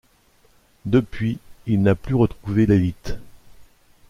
Depuis il n'a plus retrouvé l'élite.